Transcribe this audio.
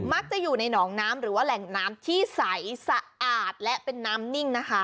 อยู่ในหนองน้ำหรือว่าแหล่งน้ำที่ใสสะอาดและเป็นน้ำนิ่งนะคะ